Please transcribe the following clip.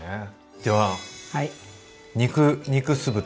では肉肉酢豚。